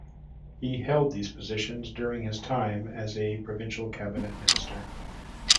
He held these positions during his time as a provincial cabinet minister.